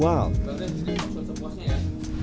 lihatlah ini juga bisa dipaksa sepuasnya ya